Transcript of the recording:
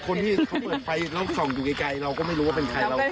คนที่เขาเปิดไฟแล้วส่องอยู่ไกลเราก็ไม่รู้ว่าเป็นใคร